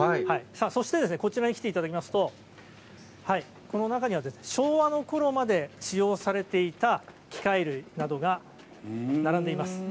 そしてこちらに来ていただきますと、この中には昭和のころまで使用されていた機械類などが並んでいます。